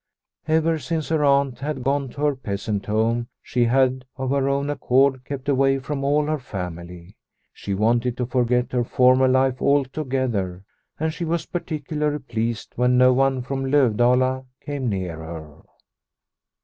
Ever since her aunt had gone to her peasant home she had, of her own accord, kept away from all her family. She wanted to forget her former life altogether, and she was particularly pleased when no one from Lovdala came near her.